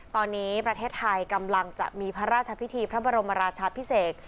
ตอนนี้ประเทศไทยกำลังจะมีพระราชพิธีพระบรมราชาพิเศษ